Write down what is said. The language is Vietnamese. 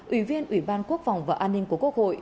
ủy viên ủy ban quốc phòng và an ninh của quốc hội